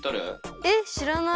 えっしらない。